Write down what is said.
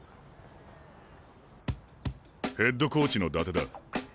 ヘッドコーチの伊達だ。